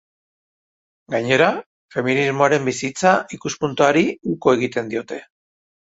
Gainera, feminismoaren bizitza-ikuspuntuari uko egiten diote.